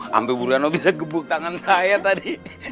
sampai bu retno bisa gebuk tangan saya tadi